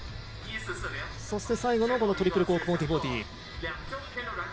そして、最後のトリプルコーク１４４０。